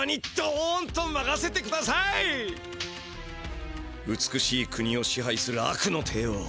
心の声美しい国を支配する悪の帝王。